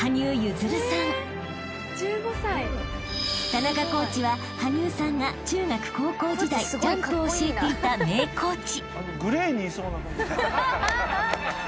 ［田中コーチは羽生さんが中学・高校時代ジャンプを教えていた名コーチ］